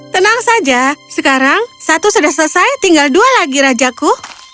tenang saja sekarang satu sudah selesai tinggal dua lagi rajaku